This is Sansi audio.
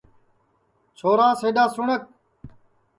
چھورا سِڈؔا سُنٚٹؔک